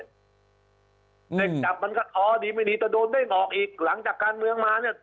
เร่งจับมันก็อ๋อดีไม่ดีแต่โดนเด้งออกอีกหลังจากการเมืองมาเนี่ย